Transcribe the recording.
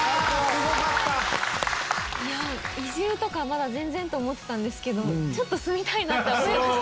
いや移住とかまだ全然と思ってたんですけどちょっと住みたいなって思いました。